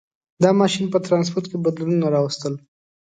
• دا ماشین په ټرانسپورټ کې بدلونونه راوستل.